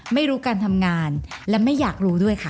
ไม่รู้การทำงานและไม่อยากรู้ด้วยค่ะ